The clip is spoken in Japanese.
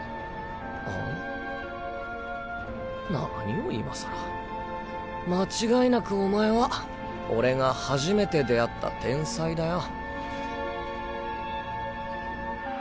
あん？何を今さら間違いなくお前は俺が初めて出会った天才だよ。